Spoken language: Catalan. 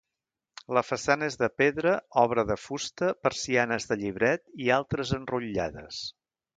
La façana és de pedra, obra de fusta, persianes de llibret i altres enrotllades.